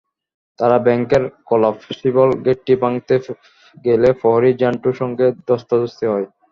তারা ব্যাংকের কলাপসিবল গেটটি ভাঙতে গেলে প্রহরী ঝান্টুর সঙ্গে ধস্তাধস্তি হয়।